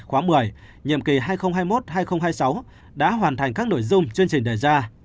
khóa một mươi nhiệm kỳ hai nghìn hai mươi một hai nghìn hai mươi sáu đã hoàn thành các nội dung chương trình đề ra